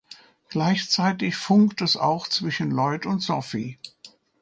Gleichzeitig funkt es auch zwischen Lloyd und Sophie.